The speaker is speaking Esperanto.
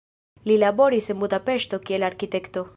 Li laboris en Budapeŝto kiel arkitekto.